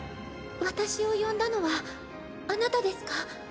私を呼んだのはあなたですか？